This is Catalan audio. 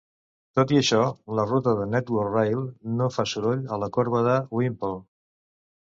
Tot i això, la ruta de Network Rail no fa soroll a la corba de Whimple.